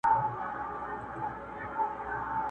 o چي زر وي، زاري نسته٫